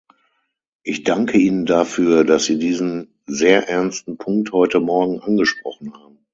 Ich danke Ihnen dafür, dass Sie diesen sehr ernsten Punkt heute Morgen angesprochen haben.